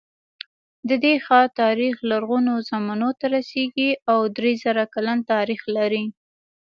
د دې ښار تاریخ لرغونو زمانو ته رسېږي او درې زره کلن تاریخ لري.